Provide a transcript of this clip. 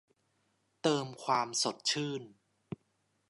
เติมความสดชื่น